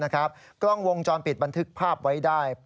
กล้องวงจรปิดบันทึกภาพไว้ได้